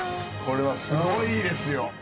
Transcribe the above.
これはすごいですよ。